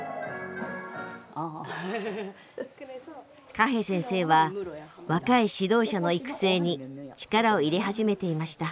カヘ先生は若い指導者の育成に力を入れ始めていました。